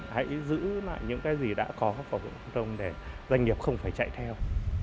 hãy giữ lại những cái gì đã có của bộ giáo thông để doanh nghiệp không phải chạy theo